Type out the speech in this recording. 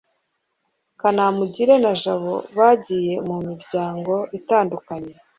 kanamugire na jabo bagiye mu miryango itandukanye